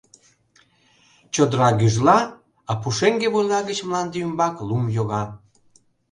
Чодыра гӱжла, а пушеҥге вуйла гыч мланде ӱмбак лум йога.